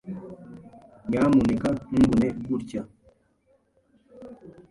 Nyamuneka ntumbone gutya.